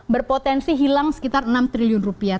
berpotensi hilang sekitar enam triliun rupiah